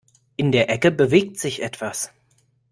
In der Ecke bewegt sich etwas.